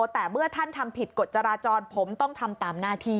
แต่เมื่อท่านทำผิดกฎจราจรผมต้องทำตามหน้าที่